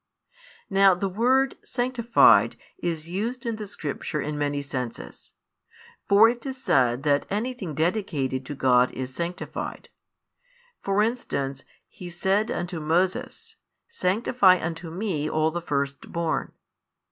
Now the word "sanctified" is used in the Scripture in many senses. For it is said that anything dedicated to God is sanctified. For instance He said unto Moses: Sanctify unto Me all the firstborn.